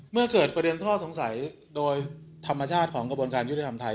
เมื่อเกิดประเด็นข้อสงสัยโดยธรรมชาติของกระบวนการยุติธรรมไทย